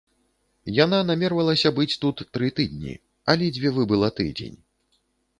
Яна намервалася быць тут тры тыдні, а ледзьве выбыла тыдзень.